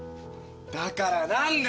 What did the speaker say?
だから何で！